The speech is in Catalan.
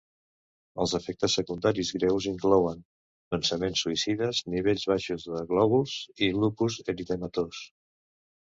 Els efectes secundaris greus inclouen pensaments suïcides, nivells baixos de glòbuls i lupus eritematós.